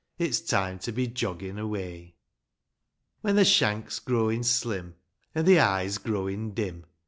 It's time to be joggin' away. V. When the shank's growin' slim, an' the eye's growin' dim.